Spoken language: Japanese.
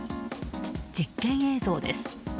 実験映像です。